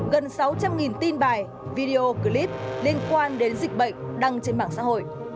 gần sáu trăm linh tin bài video clip liên quan đến dịch bệnh đăng trên mạng xã hội